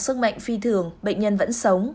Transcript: sức mạnh phi thường bệnh nhân vẫn sống